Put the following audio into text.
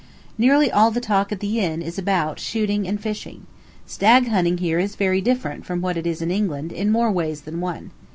Nearly all the talk at the inn is about, shooting and fishing. Stag hunting here is very different from what it is in England in more ways than one.